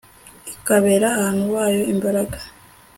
ikabera abantu bayo imbaraga